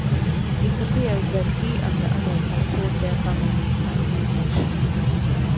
It appears that he and the others had taught their families some English.